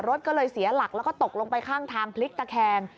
รถก็เลยเสียหลักแล้วก็ตกลงไปข้างทางพลิกตะแคง